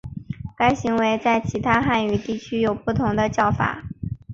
该行为在其他汉语地区有不同的叫法。